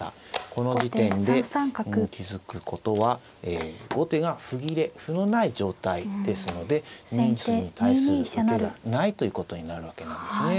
この時点で気付くことは後手が歩切れ歩のない状態ですので２筋に対する受けがないということになるわけなんですね。